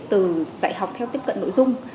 từ dạy học theo tiếp cận nội dung